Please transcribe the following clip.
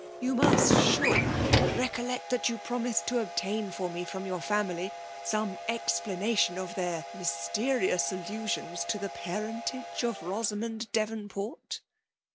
You must surely reooUect that you promised to obtain for me from your family, some explanation of their mysterious allusions to the parentage of Bo* samond DeTOnp<nrt